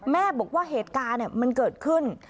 แม่บอกว่าเหตุการณ์มันเกิดขึ้น